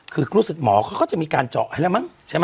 คือรู้สึกหมอเขาก็จะมีการเจาะให้แล้วมั้งใช่ไหม